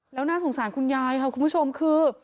แล้วน่าสงสารคุณยายค่ะคุณผู้ชมคือ